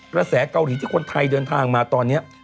กระแสเกาหลีที่คนไทยเดินทางมาตอนนี้